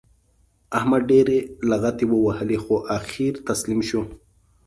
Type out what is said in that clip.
احمد ډېرې لغتې ووهلې؛ خو اخېر تسلیم شو.